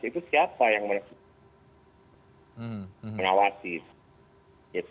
itu siapa yang mengawasi